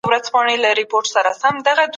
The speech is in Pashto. تاریخي پريکړي څه ډول سوي دي؟